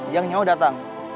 yang nyewa datang